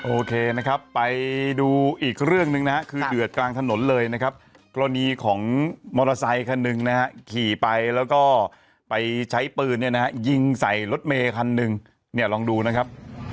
โอเคนะครับไปดูอีกเรื่องหนึ่งนะฮะคือเดือดกลางถนนเลยนะครับกรณีของมอเตอร์ไซคันหนึ่งนะฮะขี่ไปแล้วก็ไปใช้ปืนเนี่ยนะฮะยิงใส่รถเมย์คันหนึ่งเนี่ยลองดูนะครับ